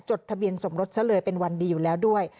ทะเบียนสมรสซะเลยเป็นวันดีอยู่แล้วด้วย